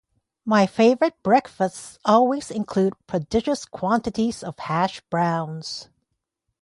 My favorite breakfasts always include prodigious quantities of hash browns.